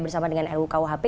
bersama dengan ruu kuhp